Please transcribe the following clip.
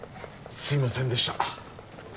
すいませんでした。